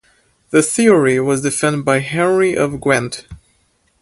The theory was defended by Henry of Ghent.